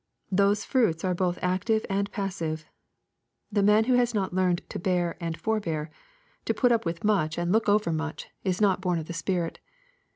Those fruits are both active and passive. The man who has not learned to bear and forbear, to put up with much and look ovel LUKE, CHAP. xvn. 223 much, is not born of the Spirit.